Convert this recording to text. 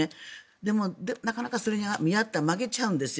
でもなかなかそれに見合った曲げちゃうんですよ。